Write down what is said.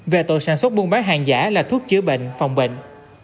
về tội sản xuất buôn bán hàng giả là thuốc chữa bệnh phòng bệnh